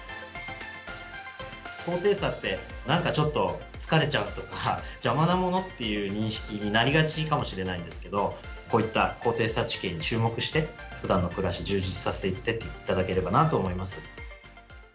高低差って、なんかちょっと疲れちゃうとか、邪魔なものっていう認識になりがちかもしれないんですけど、こういった高低差地形に注目して、ふだんの暮らし、充実させていっていただければなと思います。